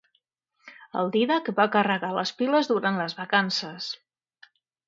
El Dídac va carregar les piles durant les vacances.